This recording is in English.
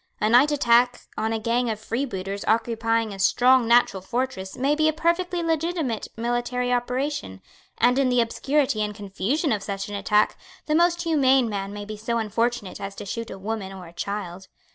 A night attack on a gang of freebooters occupying a strong natural fortress may be a perfectly legitimate military operation; and, in the obscurity and confusion of such an attack, the most humane man may be so unfortunate as to shoot a woman or a child.